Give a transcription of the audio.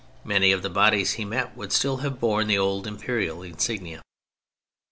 Many of the bodies he met would still have borne the old imperial insignia.